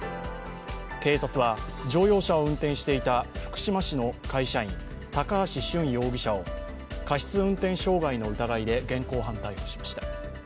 警察は乗用車を運転していた福島市の会社員高橋俊容疑者を過失運転障害の疑いで現行犯逮捕しました。